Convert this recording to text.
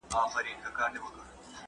په ډيموکراسۍ کي د بيان آزادي محدوده نه ده.